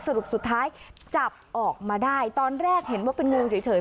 สรุปสุดท้ายจับออกมาได้ตอนแรกเห็นว่าเป็นงูเฉย